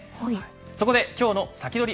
そこで今日のサキドリ！